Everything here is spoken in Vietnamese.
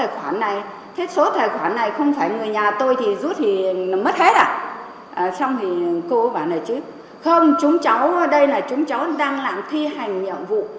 không chúng cháu ở đây là chúng cháu đang làm thi hành nhiệm vụ